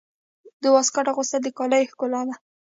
د واسکټ اغوستل د کالیو ښکلا ده.